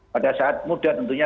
pada saat muda tentunya